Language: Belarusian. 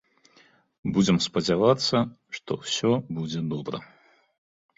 Будзем спадзявацца, што ўсё будзе добра.